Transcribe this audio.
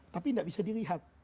tapi gak bisa dilihat